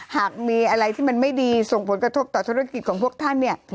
หากมีอะไรที่มันไม่ดีส่งผลกระทบต่อธุรกิจของพวกท่านเนี่ย